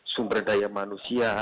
sumber daya manusia